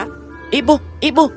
ibu ibu ibu